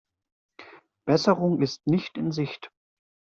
Besserung ist nicht in Sicht.